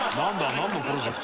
なんのプロジェクト？